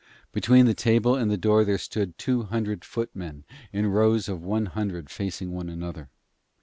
Between the table and the door there stood two hundred footmen in two rows of one hundred facing one another.